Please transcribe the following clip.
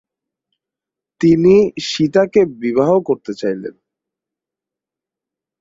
তিনি সীতাকে বিবাহ করতে চাইলেন।